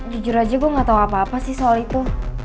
jujur aja gue gak tau apa apa sih soal itu